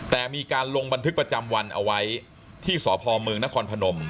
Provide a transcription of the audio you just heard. แต่มีการลงบันทึกประจำวันเอาไว้ที่สพเมืองนครพนม